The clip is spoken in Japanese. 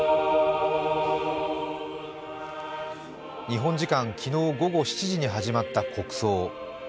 日本時間昨日午後７時に始まった国葬。